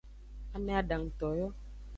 Ame adanguto yo.